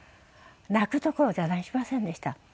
泣くどころじゃありませんでした。